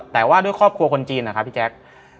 แต่ว่าด้วยครอบครัวคนจีนนะครับพี่แจ๊ค